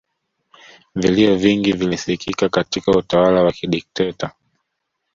vilio vingi vilisikika katika utawala wa kidikteta